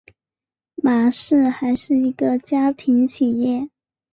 玛氏还是一个家庭企业。